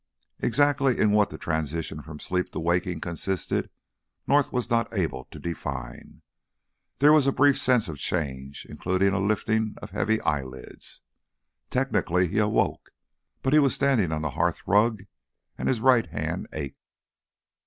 Exactly in what the transition from sleep to waking consisted, North was not able to define. There was a brief sense of change, including a lifting of heavy eyelids. Technically he awoke. But he was standing on the hearthrug. And his right hand ached.